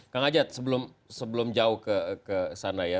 kang ajat sebelum jauh ke sana ya